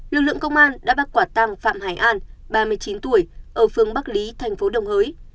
lực lượng công an đã bắt quả tăng phạm hải an ba mươi chín tuổi ở phường bắc lý tp đồng hới